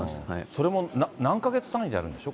それも何か月単位でやるんでしょ？